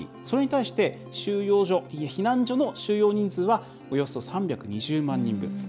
それに対して避難所の収容人数はおよそ３２０万人分。